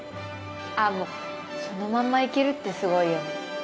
ああもうそのまんまいけるってすごいよ。